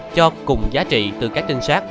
cho cùng giá trị từ các trinh sát